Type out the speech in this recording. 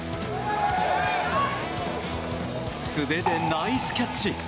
素手でナイスキャッチ！